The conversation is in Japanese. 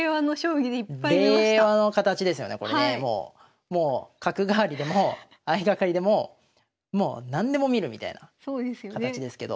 これもう角換わりでも相掛かりでも何でも見るみたいなそうですよね。